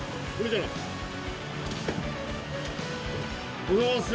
おはようございます。